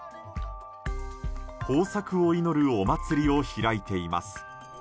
豊作を祈るお祭りを開いています。